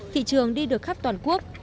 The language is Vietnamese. thị trường đi được khắp toàn quốc